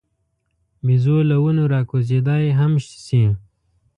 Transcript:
بیزو له ونو راکوزېدای هم شي.